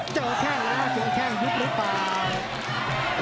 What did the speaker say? เจอแข้งแล้วจริงแข้งหรือเปล่า